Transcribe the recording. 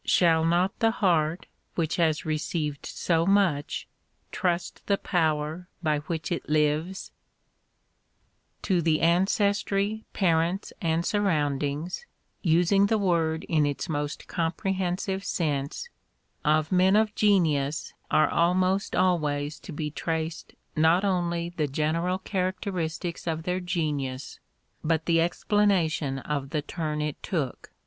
Shall not the heart which has received so much trust the Power by which it lives ? t •" Voluntaries," iii. . t " New England Reformers." 132 EMERSON To the ancestry, parents, and surroundings, using the word in its most comprehensive sense, of men of genius are almost always to be traced not only the general characteristics of their genius but the explanation of the turn it took.